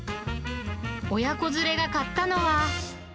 親子連れが買ったのは。